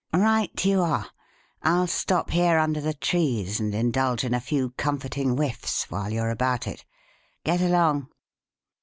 "Right you are. I'll stop here under the trees and indulge in a few comforting whiffs while you are about it. Get along!"